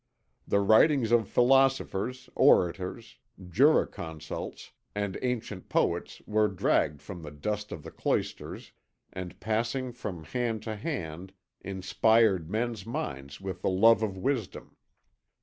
The writings of philosophers, orators, jurisconsults, and ancient poets were dragged from the dust of the cloisters and passing from hand to hand inspired men's minds with the love of wisdom.